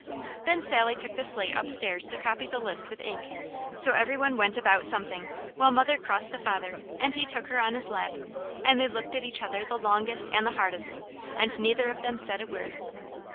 Then Sally took the slate upstairs to copy the list with ink, so every one went about something, while mother crossed to father and he took her on his lap, and they looked at each other the longest and the hardest, and neither of them said a word.